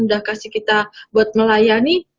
udah kasih kita buat melayani